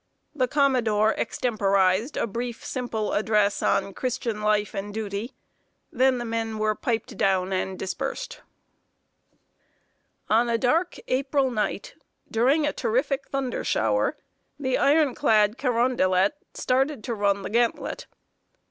The commodore extemporized a brief, simple address on Christian life and duty; then the men were "piped down" and dispersed. [Sidenote: THE CARONDELET RUNS THE BATTERIES.] On a dark April night, during a terrific thunder shower, the iron clad Carondelet started to run the gantlet.